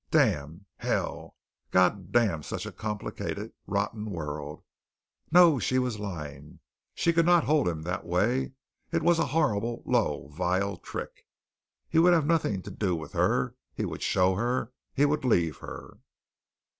Damn! Hell! God damn such a complicated, rotten world! No, she was lying. She could not hold him that way. It was a horrible, low, vile trick. He would have nothing to do with her. He would show her. He would leave her.